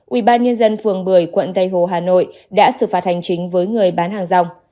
ubnd phường bưởi quận tây hồ hà nội đã xử phạt hành chính với người bán hàng rong